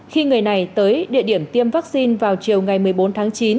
khi người này tới địa điểm tiêm vaccine vào chiều ngày một mươi bốn tháng chín